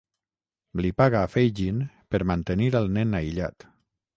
Li paga a Fagin per mantenir el nen aïllat.